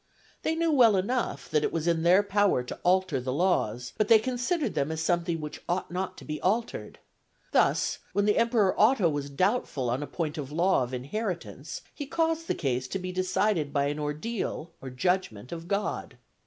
They knew well enough that it was in their power to alter the laws, but they considered them as something which ought not to be altered. Thus when the emperor Otho was doubtful on a point of the law of inheritance, he caused the case to be decided by an ordeal or judgment of God.